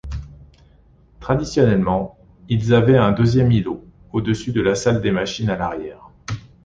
Traditionnellement, ils avaient un deuxième îlot, au-dessus de la salle des machines à l'arrière.